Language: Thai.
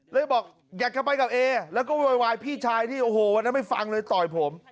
บอกอยากจะไปกับเอแล้วก็โวยวายพี่ชายที่โอ้โหวันนั้นไม่ฟังเลยต่อยผม